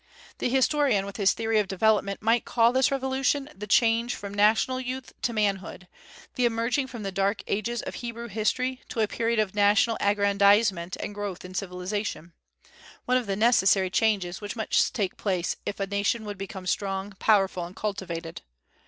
The historian with his theory of development might call this revolution the change from national youth to manhood, the emerging from the dark ages of Hebrew history to a period of national aggrandizement and growth in civilization, one of the necessary changes which must take place if a nation would become strong, powerful, and cultivated.